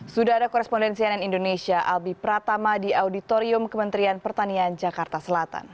sudah ada korespondensi ann indonesia albi pratama di auditorium kementerian pertanian jakarta selatan